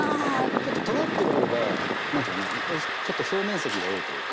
ちょっととがってる方が何ていうかなちょっと表面積が多いというか。